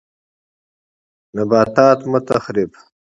نباتات مه تخریب